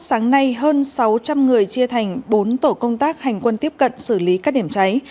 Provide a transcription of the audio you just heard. sáng nay hơn sáu trăm linh người chia thành bốn tổ công tác hành quân tiếp cận xử lý các điểm cháy